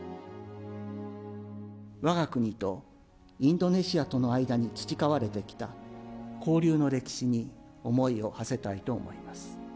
わが国とインドネシアとの間に培われてきた交流の歴史に、思いをはせたいと思います。